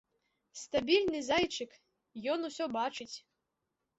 Стабільны зайчык, ён усё бачыць!